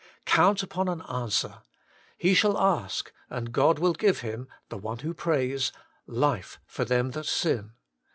^ Count upon an answer. He shall ask, and God will give him (the one who prays) life for them that sin.